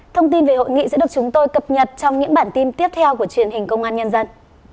thông tin về hội nghị sẽ được chúng tôi cập nhật trong những bản tin tiếp theo của truyền hình công an nhân dân